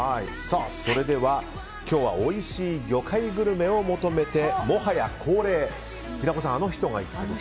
それでは今日はおいしい魚介グルメを求めてもはや恒例平子さん、あの人が行っていると。